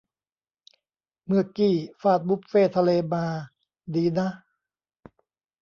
เมื่อกี้ฟาดบุฟเฟต์ทะเลมา ดีนะ